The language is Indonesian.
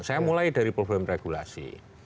saya mulai dari problem regulasi